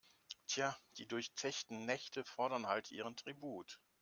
Tja, die durchzechten Nächte fordern halt ihren Tribut.